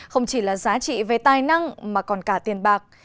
không chỉ là giá trị về tài năng mà còn cả tiền bạc